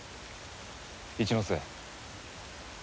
一ノ瀬。